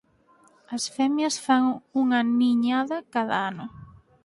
As femias fan unha niñada cada ano.